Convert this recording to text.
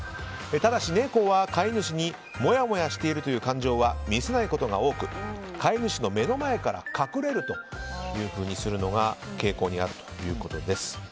ただし、猫は飼い主にもやもやしているという感情は見せないことが多く飼い主の目の前から隠れるというふうにすることが傾向にあるということです。